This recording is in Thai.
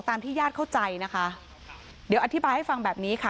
ที่ญาติเข้าใจนะคะเดี๋ยวอธิบายให้ฟังแบบนี้ค่ะ